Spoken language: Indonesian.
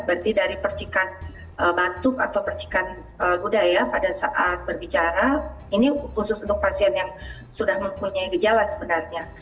berarti dari percikan batuk atau percikan guda ya pada saat berbicara ini khusus untuk pasien yang sudah mempunyai gejala sebenarnya